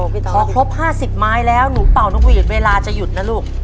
พอครบ๕๐ไม้แล้วหนูเป่านกหวีดเวลาจะหยุดนะลูก